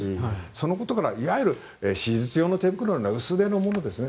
そのことからいわゆる手術用の手袋のような薄手のものですね。